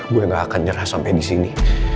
gue gak akan nyerah sampai disini